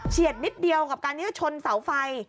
เฉียดนิดเดียวกับการชนเสาไฟ